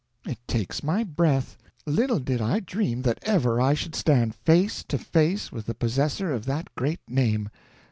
"It takes my breath! Little did I dream that ever I should stand face to face with the possessor of that great name.